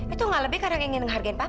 itu nggak lebih karena ingin menghargai papa